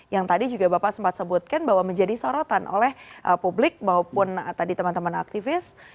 yang tadi juga bapak sempat sebutkan bahwa menjadi sorotan oleh publik maupun tadi teman teman aktivis